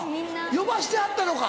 呼ばしてはったのか。